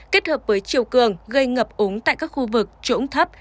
kết hợp với chiều cường gây ngập úng tại các khu vực trỗng thấp